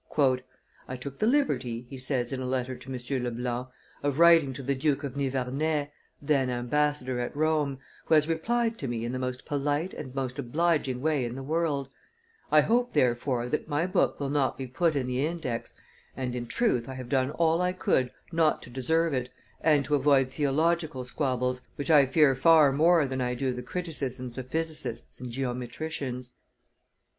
"I took the liberty," he says in a letter to M. Leblant, "of writing to the Duke of Nivernais (then ambassador at Rome), who has replied to me in the most polite and most obliging way in the world; I hope, therefore, that my book will not be put in the Index, and, in truth, I have done all I could not to deserve it and to avoid theological squabbles, which I fear far more than I do the criticisms of physicists and geometricians."